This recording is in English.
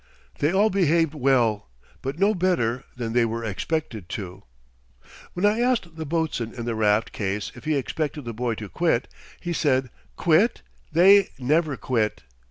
They all behaved well; but no better than they were expected to. When I asked the boatswain in the raft case if he expected the boy to quit, he said: "Quit! They never quit."